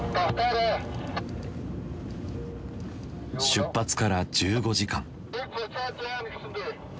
出発から１５時間。